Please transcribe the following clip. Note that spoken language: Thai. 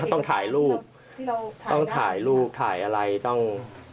ต้องถ่ายรูปต้องถ่ายรูปถ่ายอะไรต้อง